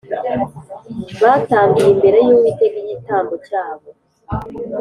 batambiye imbere y Uwiteka igitambo cyabo